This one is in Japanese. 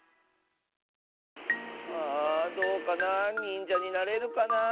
あどうかな。にんじゃになれるかな？